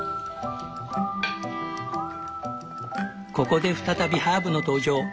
ここで再びハーブの登場。